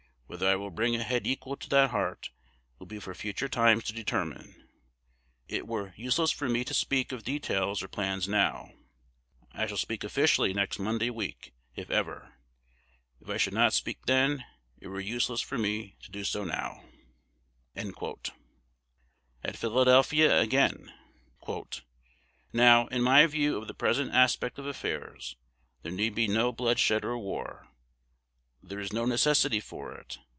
Whether I will bring a head equal to that heart, will be for future times to determine. It were useless for me to speak of details or plans now: I shall speak officially next Monday week, if ever. If I should not speak then, it were useless for me to do so now." At Philadelphia again: "Now, in my view of the present aspect of affairs, there need be no bloodshed or war. _There is no necessity for it.